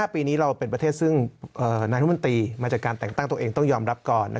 ปีนี้เราเป็นประเทศซึ่งนายรัฐมนตรีมาจากการแต่งตั้งตัวเองต้องยอมรับก่อน